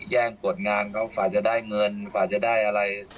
แย้งกดงานก็ฝาจะได้เงินฝาจะได้อะไร